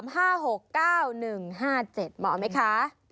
เหมาะไหมคะ